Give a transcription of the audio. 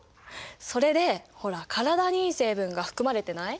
それでほら体にいい成分が含まれてない？